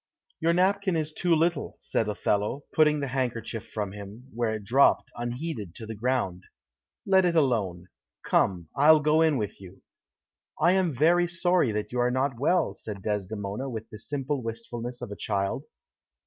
"Your napkin is too little," said Othello, putting the handkerchief from him, where it dropped, unheeded, to the ground. "Let it alone. Come, I'll go in with you." "I am very sorry that you are not well," said Desdemona with the simple wistfulness of a child.